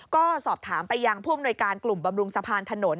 ก็สอบถามไปยังผู้อำนวยการกลุ่มบำรุงสะพานถนน